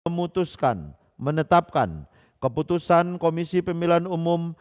memutuskan menetapkan keputusan komisi pemilihan umum